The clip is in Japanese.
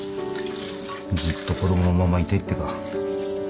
ずっと子供のままいたいってか。